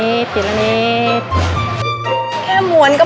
พี่ดาขายดอกบัวมาตั้งแต่อายุ๑๐กว่าขวบ